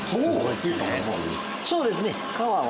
そうですね皮は。